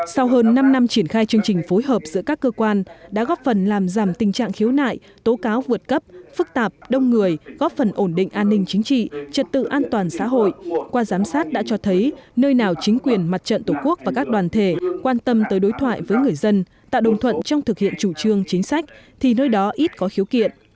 sau hơn năm năm triển khai chương trình phối hợp giữa các cơ quan đã góp phần làm giảm tình trạng khiếu nại tố cáo vượt cấp phức tạp đông người góp phần ổn định an ninh chính trị trật tự an toàn xã hội qua giám sát đã cho thấy nơi nào chính quyền mặt trận tổ quốc và các đoàn thể quan tâm tới đối thoại với người dân tạo đồng thuận trong thực hiện chủ trương chính sách thì nơi đó ít có khiếu kiện